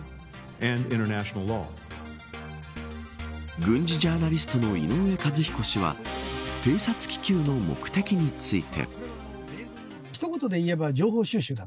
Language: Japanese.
軍事ジャーナリストの井上和彦氏は偵察気球の目的について。